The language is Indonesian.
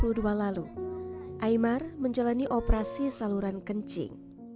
pada dua puluh tujuh juli dua ribu dua puluh dua lalu imar menjalani operasi saluran kencing